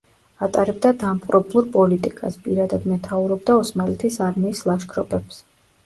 ატარებდა დამპყრობლურ პოლიტიკას, პირადად მეთაურობდა ოსმალეთის არმიის ლაშქრობებს.